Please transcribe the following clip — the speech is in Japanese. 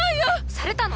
されたの？